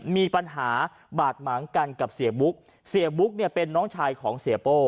มีปัญหาบาดหมางกันกับเสียบุ๊กเสียบุ๊กเนี่ยเป็นน้องชายของเสียโป้